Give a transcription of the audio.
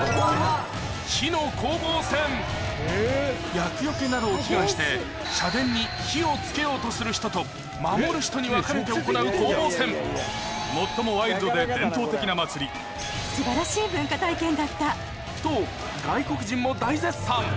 厄よけなどを祈願して社殿に火を付けようとする人と守る人に分かれて行う攻防戦「最も」と外国人も大絶賛